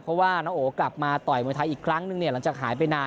เพราะว่าน้องโอกลับมาต่อยมวยไทยอีกครั้งนึงเนี่ยหลังจากหายไปนาน